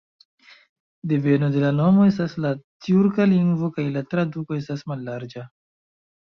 Deveno de la nomo estas de la tjurka lingvo kaj la traduko estas "mallarĝa".